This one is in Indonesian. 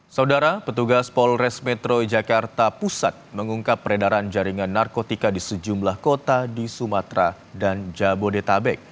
saudara petugas polres metro jakarta pusat mengungkap peredaran jaringan narkotika di sejumlah kota di sumatera dan jabodetabek